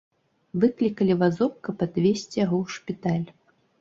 Выклікалі вазок, каб адвезці яго ў шпіталь.